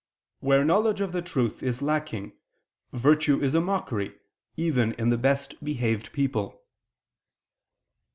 Where knowledge of the truth is lacking, virtue is a mockery even in the best behaved people."